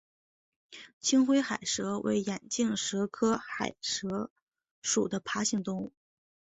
青灰海蛇为眼镜蛇科海蛇属的爬行动物。